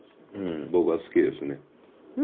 僕は好きですね。